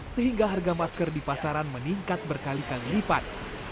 sehingga harga masker di pasaran meningkat berkali kali lipat